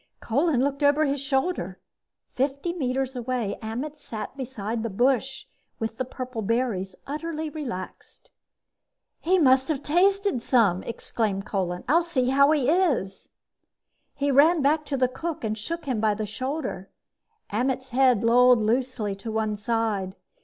_" Kolin looked over his shoulder. Fifty meters away, Ammet sat beside the bush with the purple berries, utterly relaxed. "He must have tasted some!" exclaimed Kolin. "I'll see how he is." He ran back to the cook and shook him by the shoulder. Ammet's head lolled loosely to one side.